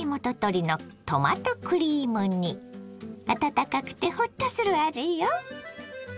温かくてホッとする味よ。